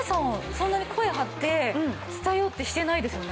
そんなに声張って伝えようってしてないですよね？